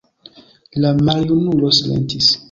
La maljunulo silentis.